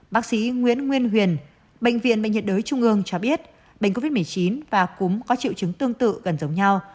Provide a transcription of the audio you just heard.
bác sĩ huyền bệnh viện bệnh nhiệt đới trung ương cho biết bệnh covid một mươi chín và cúm có triệu chứng tương tự gần giống nhau